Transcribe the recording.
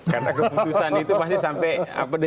karena keputusan itu pasti sampai detik terakhir